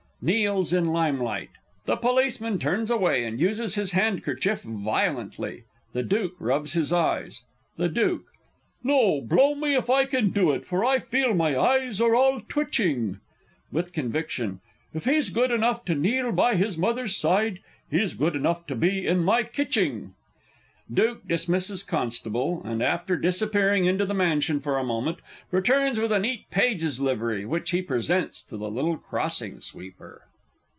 [Kneels in lime light. The Policeman turns away, and uses his handkerchief violently; the Duke rubs his eyes. The Duke. No, blow me if I can do it, for I feel my eyes are all twitching! (With conviction.) If he's good enough to kneel by his mother's side, he's good enough to be in my kitching! [Duke dismisses Constable, _and, after disappearing into the Mansion for a moment, returns with a neat Page's livery, which he presents to the little_ Crossing sweeper.